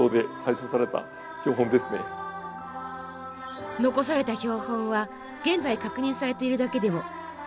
残された標本は現在確認されているだけでも２４１点。